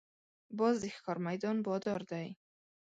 باز د ښکار میدان بادار دی